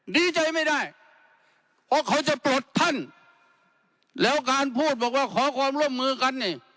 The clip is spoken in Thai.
ดีใจไม่ได้เพราะเขาจะปลดท่านแล้วการพูดบอกว่าขอความร่วมมือกันนี่